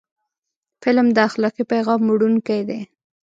فلم د اخلاقي پیغام وړونکی دی